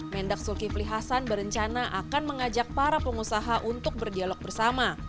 mendak zulkifli hasan berencana akan mengajak para pengusaha untuk berdialog bersama